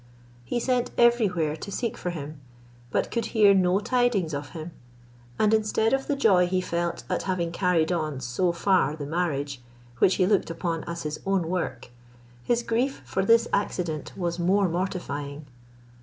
He sent everywhere to seek for him, but could hear no tidings of him; and instead of the joy he felt at having carried on so far the marriage, which he looked upon as his own work, his grief for this accident was more mortifying.